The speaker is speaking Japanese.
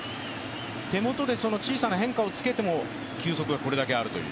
手元で小さな変化をつけても球速がこれだけあるという。